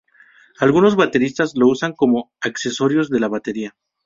Algunos bateristas lo usan como accesorios de la batería.